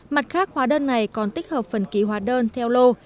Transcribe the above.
mặt khác hóa đơn này còn tích hợp phần ký hóa đơn theo lô